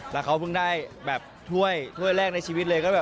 แล้วเขาเพิ่งได้แบบถ้วยแรกในชีวิตเลย